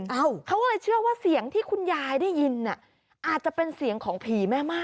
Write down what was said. เอ้าเขาเลยเชื่อว่าเสียงที่คุณยายได้ยินอ่ะอาจจะเป็นเสียงของผีแม่ม่า